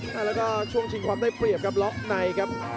แล้วก็ช่วงเฉิกความความได้เปรียบกับหลอกไณครับ